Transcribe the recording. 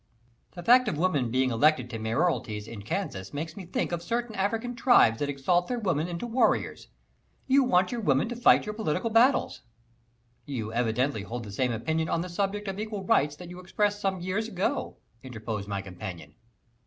"The fact of women being elected to mayoralties in Kansas makes me think of certain African tribes that exalt their women into warriors you want your women to fight your political battles!" "You evidently hold the same opinion on the subject of equal rights that you expressed some years ago," interposed my companion.